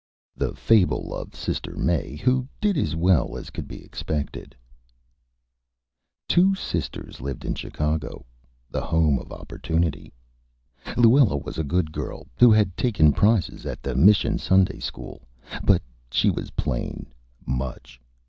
_ THE FABLE OF SISTER MAE, WHO DID AS WELL AS COULD BE EXPECTED Two Sisters lived in Chicago, the Home of Opportunity. Luella was a Good Girl, who had taken Prizes at the Mission Sunday School, but she was Plain, much.